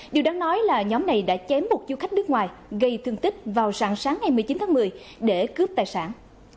điều đáng nói là nhóm này đã chém một du khách nước ngoài gây thương tích vào sáng sáng ngày một mươi chín tháng một mươi để cướp tài sản